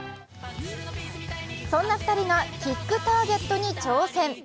そんな２人がキックターゲットに挑戦。